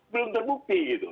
belum terbukti gitu